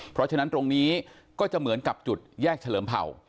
เพราะฉะนั้นตรงนี้ก็จะเหมือนกับจุดแยกเฉลิมเผ่า